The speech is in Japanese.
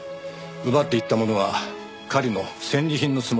奪っていったものは狩りの戦利品のつもりだろうよ。